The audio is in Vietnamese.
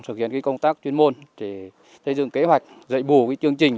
thực hiện công tác chuyên môn để xây dựng kế hoạch dạy bù chương trình